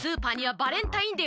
バレンタインデー！？